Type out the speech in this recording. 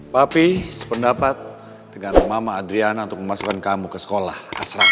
papi sependapat dengan mama adriana untuk memasukkan kamu ke sekolah